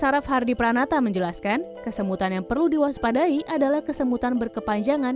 saraf hardi pranata menjelaskan kesemutan yang perlu diwaspadai adalah kesemutan berkepanjangan